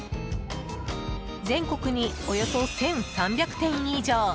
全国におよそ１３００店以上。